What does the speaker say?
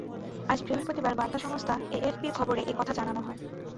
আজ বৃহস্পতিবার বার্তা সংস্থা এএফপির খবরে এ কথা জানানো হয়।